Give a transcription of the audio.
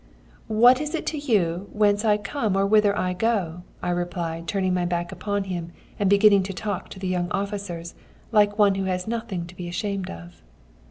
"'What is it to you whence I come or whither I go?' I replied, turning my back upon him and beginning to talk to the young officers, like one who has nothing to be ashamed of.